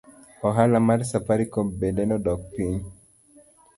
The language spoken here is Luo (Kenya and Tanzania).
Ohala mar safaricom bende nodok piny.